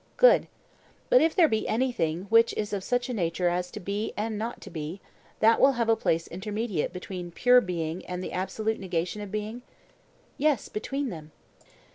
Good. But if there be anything which is of such a nature as to be and not to be, that will have a place intermediate between pure being and the absolute negation of being? Yes, between them.